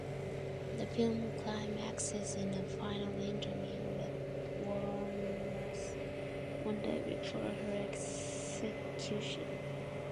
The film climaxes in a final interview with Wuornos one day before her execution.